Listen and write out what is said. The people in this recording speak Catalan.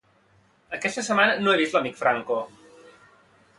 Aquesta setmana no he vist l'amic Franco